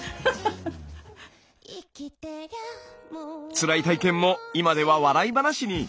つらい体験も今では笑い話に。